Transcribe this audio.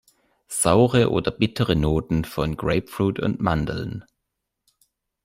Saure oder bittere Noten von Grapefruit und Mandeln.